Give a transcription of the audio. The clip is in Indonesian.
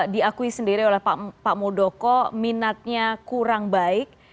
diakui sendiri oleh pak muldoko minatnya kurang baik